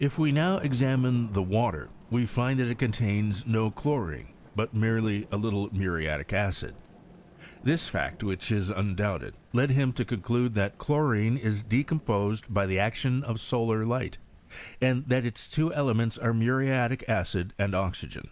If we now examine the water, we find that it contains no chlorine, but merely a little muriatic acid. This fact, which is undoubted, led 154 inSTOET or CHEMreTRT. I him to conclade that chlorine is decomposed by the action of solar light, and that its two elements are muriatic acid and oxygen.